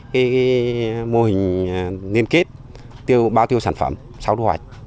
cái mô hình liên kết bao tiêu sản phẩm sau thu hoạch